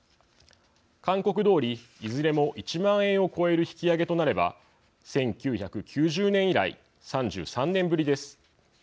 勧告どおりいずれも１万円を超える引き上げとなれば１９９０年以来３３年ぶりです。